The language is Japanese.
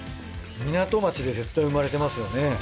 港町で絶対生まれてますよね。